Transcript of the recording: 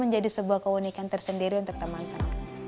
jadi sebuah keunikan tersendiri untuk teman teman